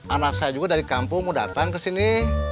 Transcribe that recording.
anak saya juga dari kampung mau datang kesini